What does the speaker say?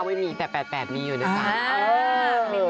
๕๙ไม่มีแต่๘๘มีอยู่ในสถานที่